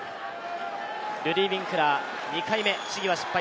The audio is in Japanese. ルディー・ウィンクラー、２回目は失敗。